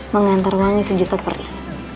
pengantar wangi sejuta perih